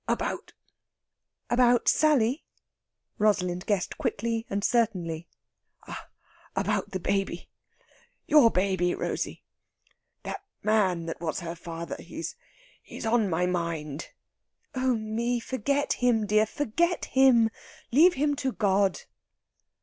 "About Sally?" Rosalind guessed quickly, and certainly. "Ah ... about the baby. Your baby, Rosey.... That man that was her father ... he's on my mind...." "Oh me, forget him, dear forget him! Leave him to God!"